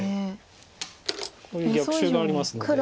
こういう逆襲がありますので。